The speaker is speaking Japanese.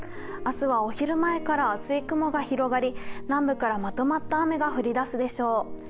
明日はお昼前から厚い雲が広がり南部からまとまった雨が降りだすでしょう。